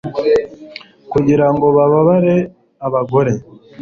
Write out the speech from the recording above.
kugira ngo bababere abagore